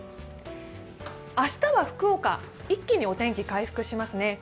明日は福岡、一気にお天気回復しますね。